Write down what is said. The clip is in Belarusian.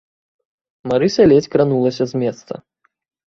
Марыся ледзь кранулася з месца.